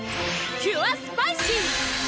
キュアスパイシー！